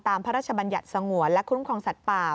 พระราชบัญญัติสงวนและคุ้มครองสัตว์ป่า